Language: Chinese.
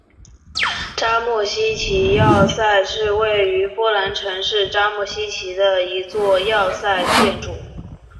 扎莫希奇要塞是位于波兰城市扎莫希奇的一座要塞建筑。